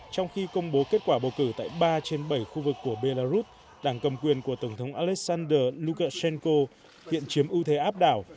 trong khi công bố kết quả bầu cử tại ba trên bảy khu vực của belarus đảng cầm quyền của tổng thống alexander lukashenko hiện chiếm ưu thế áp đảo